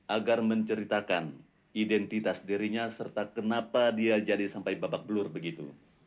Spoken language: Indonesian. agar menceritakan identitas dirinya serta kenapa dia jadi sampai babak belur begitu